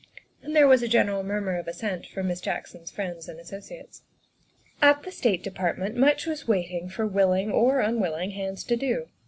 And there was a general murmur of assent from Miss Jackson's friends and associates. At the State Department much was waiting for will ing or unwilling hands to do.